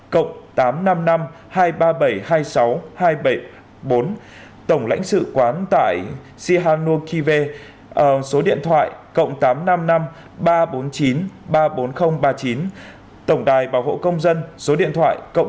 cộng tám trăm năm mươi năm hai mươi ba nghìn bảy trăm hai mươi sáu hai trăm bảy mươi bốn tổng lãnh sự quán tại sihanoukive số điện thoại cộng tám trăm năm mươi năm ba trăm bốn mươi chín ba mươi bốn nghìn ba mươi chín tổng đài bảo vộ công dân số điện thoại cộng tám mươi bốn chín trăm tám mươi một tám nghìn bốn trăm tám mươi bốn tám mươi bốn